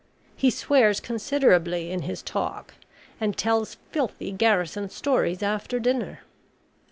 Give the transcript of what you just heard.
He swears considerably in his talk, and tells filthy garrison stories after dinner.